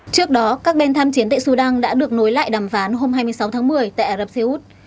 trước đó các bên tham chiến tại sudan đã được nối lại đàm phán hôm hai mươi sáu tháng một mươi tại ả rập xê út